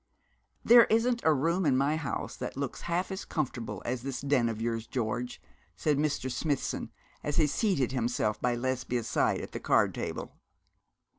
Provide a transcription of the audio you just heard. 'There isn't a room in my house that looks half as comfortable as this den of yours, George,' said Mr. Smithson, as he seated himself by Lesbia's side at the card table.